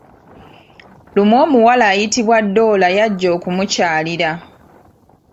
Lumu omuwala ayitibwa Doola yajja okumukyalira.